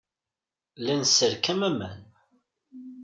La nesserkam aman.